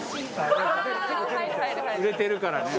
売れてるからね。